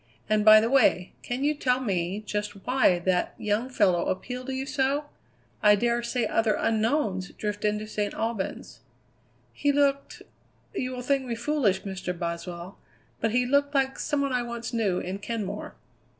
And, by the way, can you tell me just why that young fellow appealed to you so? I daresay other 'unknowns' drift into St. Albans." "He looked you will think me foolish, Mr. Boswell but he looked like some one I once knew in Kenmore."